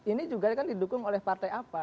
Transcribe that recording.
nah anies juga kan didukung oleh partai apa